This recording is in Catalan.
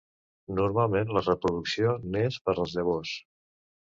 Normalment la reproducció n'és per les llavors.